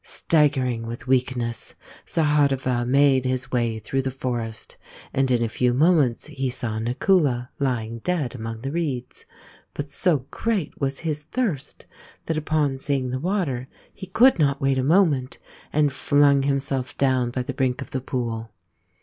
Staggering with weakness, Sahadeva made his way through the forest and in a few moments he saw Nakula lying dead among the reeds ; but so great was his thirst that upon seeing the water he could not wait a moment and flung himself down by the brink of the pool.